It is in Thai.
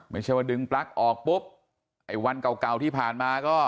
ไม่ใช่ว่าดึงปลั๊กออกปุ๊บไอ้วันเก่าเก่าที่ผ่านมาก็